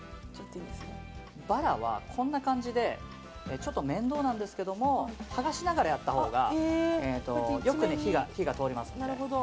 バラはこんな感じでちょっと面倒なんですけどもはがしながらやったほうが良く火が通ります。